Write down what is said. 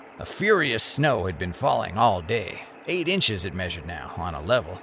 A furious snow had been falling all day. Eight inches it measured now, on a level.